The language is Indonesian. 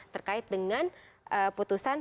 terkait dengan putusan